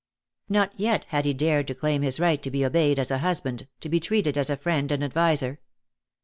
Not yet had he dared to claim his right to be obeyed as a husband, to be treated as a friend and adviser.